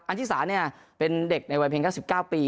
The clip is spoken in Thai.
อันชีสาเป็นเด็กในวัยเพลงทั้ง๑๙ปี